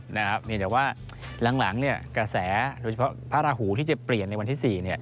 เพียงแต่ว่าหลังกระแสโดยเฉพาะพระราหูที่จะเปลี่ยนในวันที่๔